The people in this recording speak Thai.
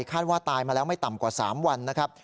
คาดว่าตายมาแล้วไม่ต่ำกว่า๓วันนะครับ